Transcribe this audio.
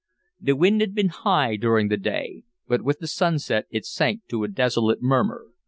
The wind had been high during the day, but with the sunset it sank to a desolate murmur.